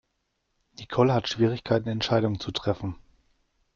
Nicole hat Schwierigkeiten Entscheidungen zu treffen.